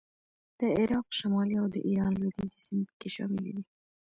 د عراق شمالي او د ایران لوېدیځې سیمې په کې شاملې دي